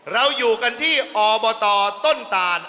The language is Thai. เราอยู่กันที่อบตต้นตาน